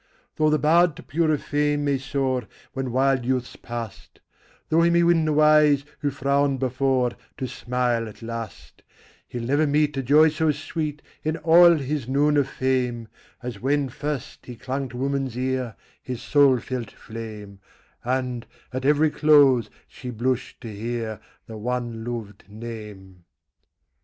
Tho' the bard to purer fame may soar, When wild youth's past; Tho' he win the wise, who frowned before, To smile at last; He'll never meet A joy so sweet, In all his noon of fame, As when first he sung to woman's ear His soul felt flame, And, at every close, she blushed to hear The one lov'd name.